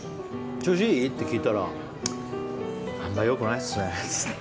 調子いい？って聞いたらあんま良くないっすねって。